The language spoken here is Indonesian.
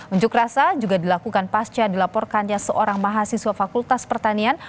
unjuk rasa juga dilakukan pasca dilaporkannya seorang mahasiswa fakultas pertanian